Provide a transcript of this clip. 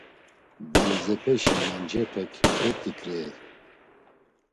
Valizepeşi mancepek bet̆i ǩriey.